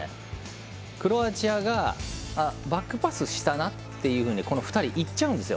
クロアチアがバックパスしたなっていうのにこの２人、行っちゃうんですよ。